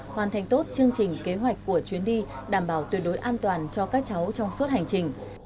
hoàn thành tốt chương trình kế hoạch của chuyến đi đảm bảo tuyệt đối an toàn cho các cháu trong suốt hành trình